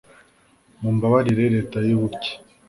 mumbabarire leta y'ubuke